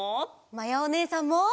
まやおねえさんも！